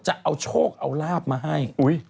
จะเอาโชคเอาลาบมาให้